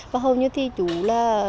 và hầu như thì chú là